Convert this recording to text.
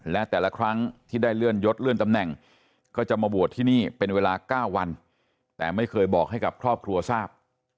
และแต่ละครั้งที่ได้เลื่อนยศเลื่อนตำแหน่งก็จะมาบวชที่นี่เป็นเวลา๙วันแต่ไม่เคยบอกให้กับครอบครัวทราบ